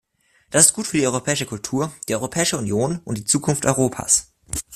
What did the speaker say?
Das ist gut für die europäische Kultur, die Europäische Union und die Zukunft Europas.